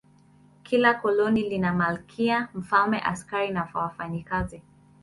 Kila koloni lina malkia, mfalme, askari na wafanyakazi.